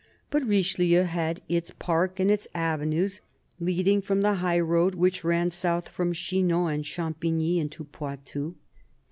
But Richelieu had its park and its avenues, leading from the high road which ran south from Chinon and Champigny into Poitou.